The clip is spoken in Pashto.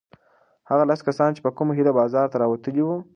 هغه لس کسان چې په کومه هیله بازار ته راوتلي وو؟